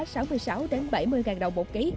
sáu mươi sáu bảy mươi đồng một ký